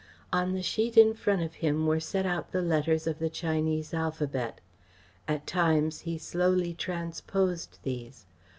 On the sheet in front of him were set out the letters of the Chinese alphabet. At times he slowly transposed these.